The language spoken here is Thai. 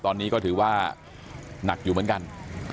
ตอนนี้ก็ถือว่าหนักอยู่เหมือนกัน